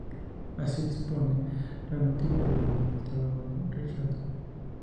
Así expone las múltiples debilidades del trabajo de Richardson.